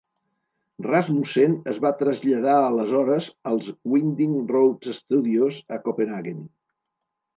Rasmussen es va traslladar aleshores als Winding Road Studios a Copenhaguen.